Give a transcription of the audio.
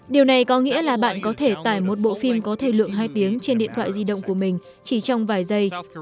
điều này có nghĩa là bạn có thể tải một bộ phim có thời lượng hai tiếng trên điện thoại di động của mình chỉ trong vài giây